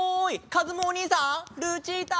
かずむおにいさんルチータ！